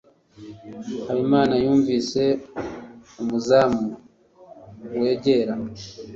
Habimana yumvise umuzamu wegera